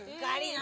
何？